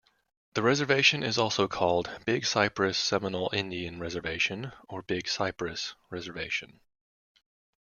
The reservation is also called "Big Cypress Seminole Indian Reservation" or "Big Cypress Reservation".